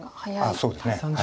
そうですね。